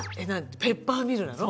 ペッパーミルなの？